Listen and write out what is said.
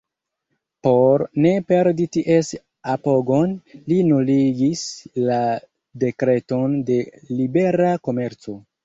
Por ne perdi ties apogon, li nuligis la dekreton de libera komerco.